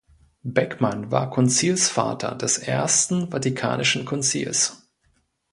Beckmann war Konzilsvater des Ersten Vatikanischen Konzils.